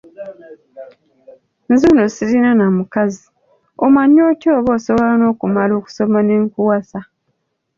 Nzuuno sirina na mukazi, omanyi otya oba osobola n'okumala okusoma ne nkuwasa?